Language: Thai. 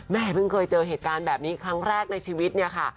เพิ่งเคยเจอเหตุการณ์แบบนี้ครั้งแรกในชีวิตเนี่ยค่ะ